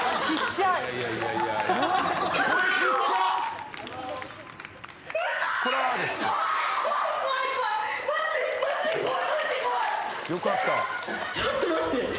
ちょっと待って。